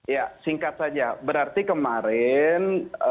ya singkat saja berarti kemarin